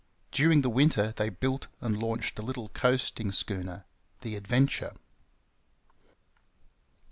During the winter they built and launched a little coasting schooner, the Adventure.